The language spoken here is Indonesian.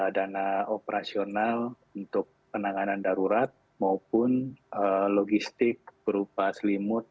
dana operasional untuk penanganan darurat maupun logistik berupa selimut